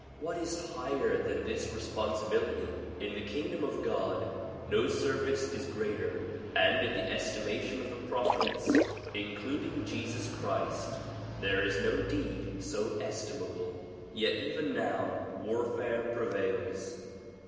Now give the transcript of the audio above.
What is higher than this responsibility? In the kingdom of God no service is greater and in the estimation of the prophets including Jesus Christ there is no deed so estimable. Yet even now warfare prevails.